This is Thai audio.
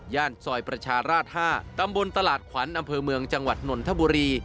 ซอยประชาราช๕ตำบลตลาดขวัญอำเภอเมืองจังหวัดนนทบุรี